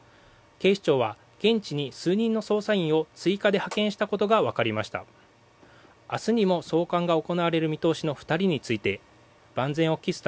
警視庁は現地に数人の捜査員を追加で派遣したことが分かりました。